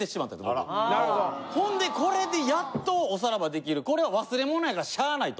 ほんでこれでやっとオサラバできるこれは忘れ物やからしゃあないと。